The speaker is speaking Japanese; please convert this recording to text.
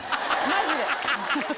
マジで。